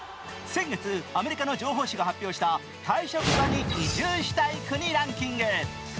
先月、アメリカの情報誌が発表した退職後に移住したい国ランキング。